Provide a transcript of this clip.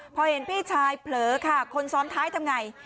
พอเห็นพี่ชายเผลอค่ะคนซ้อนท้ายทำไง